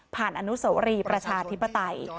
ผ่านอนุสรีประชาธิปไตย